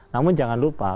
namun jangan lupa